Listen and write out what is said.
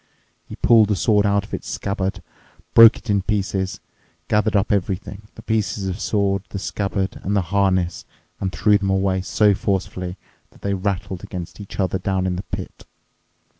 He pulled the sword out of its scabbard, broke it in pieces, gathered up everything—the pieces of the sword, the scabbard, and the harness—and threw them away so forcefully that they rattled against each other down in the pit.